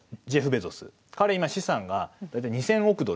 彼今資産が大体２，０００億ドルある。